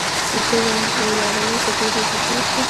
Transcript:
زه وم یو لاروی؛ تر ډيرو ورته تم شوم